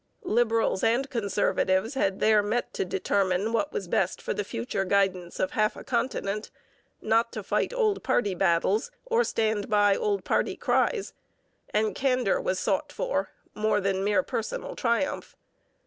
Liberals and Conservatives had there met to determine what was best for the future guidance of half a continent, not to fight old party battles, or stand by old party cries, and candour was sought for more than mere personal triumph.